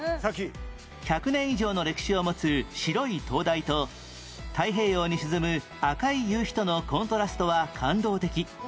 １００年以上の歴史を持つ白い灯台と太平洋に沈む赤い夕日とのコントラストは感動的